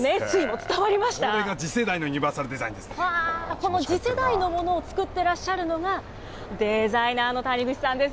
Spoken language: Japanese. これが次世代のユニバーサルその次世代のものを作ってらっしゃるのが、デザイナーの谷口さんです。